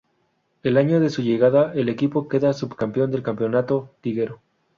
El año de su llegada el equipo queda subcampeón del campeonato liguero.